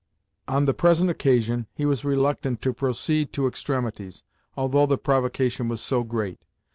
On the present occasion, he was reluctant to proceed to extremities, although the provocation was so great.